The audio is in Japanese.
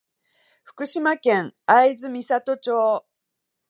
福島県会津美里町